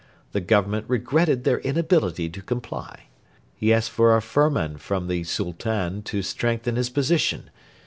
The Government regretted their inability to comply. He asked for a Firman from the Sultan to strengthen his position.